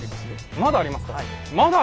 まだあります。